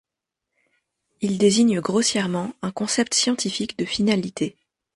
Il désigne grossièrement un concept scientifique de finalité.